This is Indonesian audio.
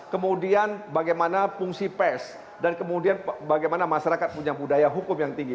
kemudian bagaimana fungsi pes dan kemudian bagaimana masyarakat punya budaya hukum yang tinggi